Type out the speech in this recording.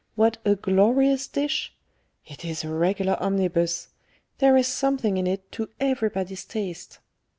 What a glorious dish! It is a regular omnibus; there is something in it to everybody's taste.